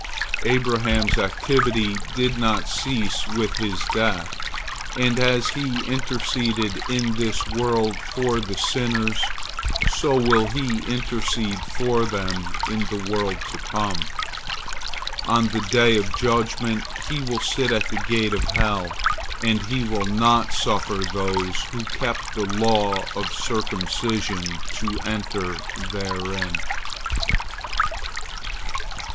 " Abraham's activity did not cease with his death, and as he interceded in this world for the sinners, so will he intercede for them in the world to come. On the day of judgment he will sit at the gate of hell, and he will not suffer those who kept the law of circumcision to enter therein.